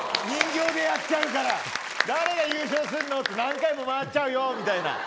人形でやっちゃうから誰が優勝するの？って何回も回っちゃうよみたいな。